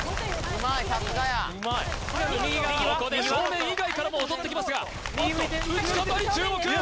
ここで正面以外からも襲ってきますがおっと撃ち方に注目！